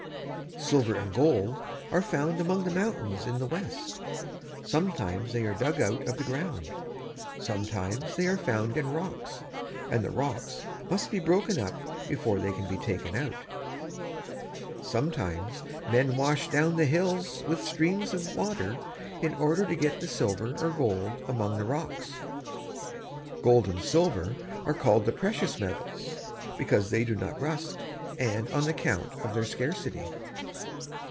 Silver and gold are found among the mountains in the west. Sometimes they are dug out of the ground. Sometimes they are found in rocks, and the rocks must be broken up before they can be taken out. [Illustration: "SOMETIMES MEN WASH DOWN THE HILLS."] Sometimes men wash down the hills with streams of water in order to get at the silver or gold among the rocks. Gold and silver are called the precious metals because they do not rust, and on account of their scarcity.